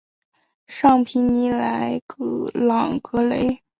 尚皮尼莱朗格雷。